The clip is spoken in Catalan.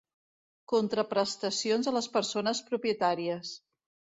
Contraprestacions a les persones propietàries.